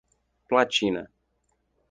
Platina